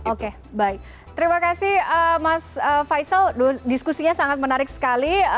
oke baik terima kasih mas faisal diskusinya sangat menarik sekali